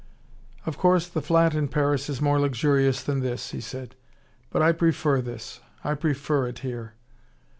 "Of course the flat in Paris is more luxurious than this," he said. "But I prefer this. I prefer it here."